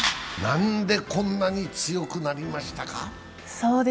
なんで、こんなに強くなりましたか？